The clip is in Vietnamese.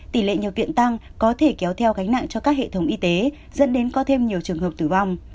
tỷ lệ nhập viện tăng có thể kéo theo gánh nặng cho các hệ thống y tế dẫn đến có thêm nhiều trường hợp tử vong